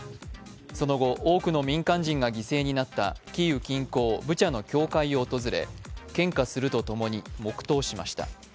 その後、多くの民間人が犠牲になった、キーウ近郊ブチャの教会を訪れ献花するとともに、黙とうしました。